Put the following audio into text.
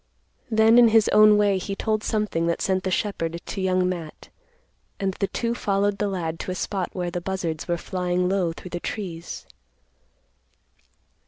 Then in his own way he told something that sent the shepherd to Young Matt, and the two followed the lad to a spot where the buzzards were flying low through the trees.